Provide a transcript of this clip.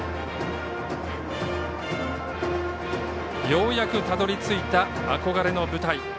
ようやく、たどり着いた憧れの舞台。